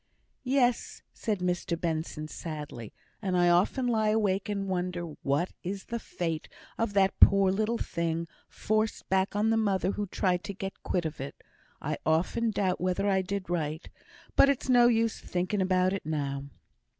"Yes," said Mr Benson, sadly, "and I often lie awake and wonder what is the fate of that poor little thing, forced back on the mother who tried to get quit of it. I often doubt whether I did right; but it's no use thinking about it now."